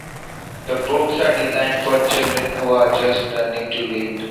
The books are designed for children who are just learning to read.